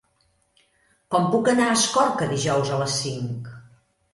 Com puc anar a Escorca dijous a les cinc?